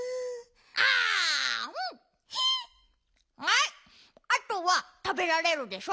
はいあとはたべられるでしょ？